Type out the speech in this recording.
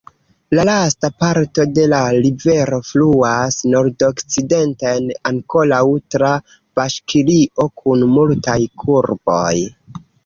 La lasta parto de la rivero fluas nordokcidenten, ankoraŭ tra Baŝkirio, kun multaj kurboj.